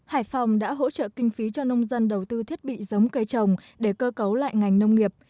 hải phòng đã hỗ trợ kinh phí cho nông dân đầu tư thiết bị giống cây trồng để cơ cấu lại ngành nông nghiệp